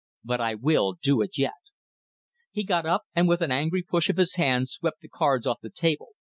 "But I will do it yet!" He got up, and with an angry push of his hand swept the cards off the table.